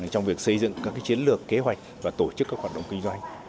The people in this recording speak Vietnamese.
trong việc xây dựng các chiến lược kế hoạch và tổ chức các hoạt động kinh doanh